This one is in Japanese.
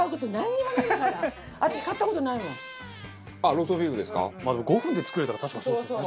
カズレーザー：５分で作れたら確かに、そうですよね。